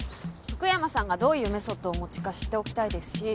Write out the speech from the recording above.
福山さんがどういうメソッドをお持ちか知っておきたいですし。